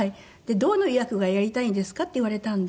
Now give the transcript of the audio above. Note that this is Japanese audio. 「どの役がやりたいんですか？」って言われたんで。